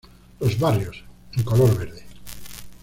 Los Barrios, en color verde.